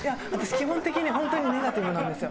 基本的に本当にネガティブなんですよ。